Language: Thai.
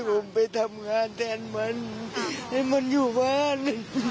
ผมไปทำงานแทนมันให้มันอยู่บ้าน